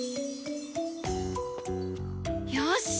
よし！